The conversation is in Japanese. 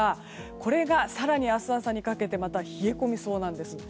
これが、更に明日朝にかけてまた冷え込みそうなんです。